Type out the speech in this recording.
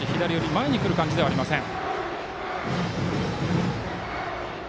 前に来る感じではありません。